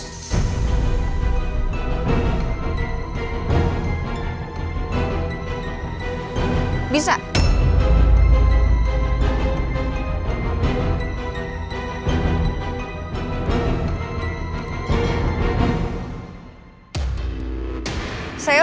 lalu mencari kesalahan